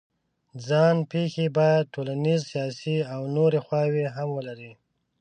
ځان پېښې باید ټولنیز، سیاسي او نورې خواوې هم ولري.